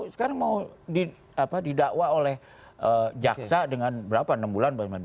sekarang mau didakwa oleh jaksa dengan berapa enam bulan